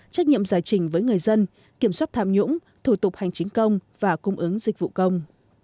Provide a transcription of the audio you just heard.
trách nhiệm giải trình với người dân kiểm soát tham nhũng thủ tục hành chính công và cung ứng dịch vụ công